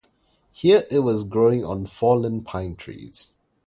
Here it was growing on fallen pine trees.